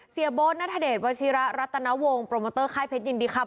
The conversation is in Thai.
โบ๊ทนัทเดชวัชิระรัตนวงโปรโมเตอร์ค่ายเพชรยินดีครับ